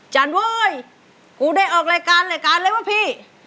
เว้ยกูได้ออกรายการรายการเลยว่าพี่